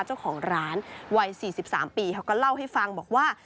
เจ้าของร้านวัย๔๓ปีเขาก็เล่าให้ฟังบอกว่า